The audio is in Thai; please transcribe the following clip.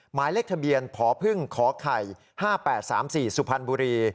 หมายเลขทะเบียนพพไข่๕๘๓๔สุพรรณบุรี